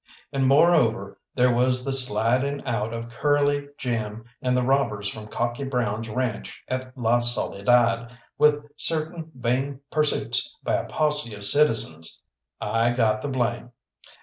And, moreover, there was the sliding out of Curly, Jim, and the robbers from Cocky Brown's ranche at La Soledad, with certain vain pursuits by a posse of citizens; I got the blame.